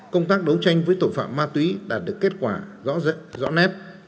công tác đấu tranh với tội phạm ma túy đã được kết quả rõ rẽ rõ nét